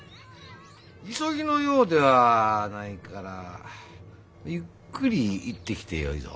急ぎの用ではないからゆっくり行ってきてよいぞ。